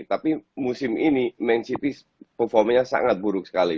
tapi musim ini man city performanya sangat buruk sekali